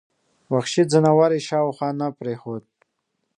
وحشي ځناور یې شاوخوا نه پرېښود.